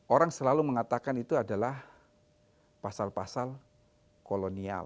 orang selalu mengatakan itu adalah pasal pasal kolonial